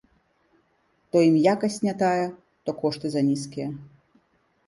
То ім якасць не тая, то кошты занізкія.